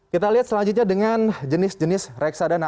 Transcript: kita lihat selanjutnya dengan jenis jenis reksadana